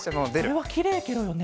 それはきれいケロよね。